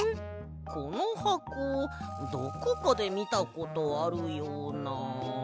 このはこどこかでみたことあるような。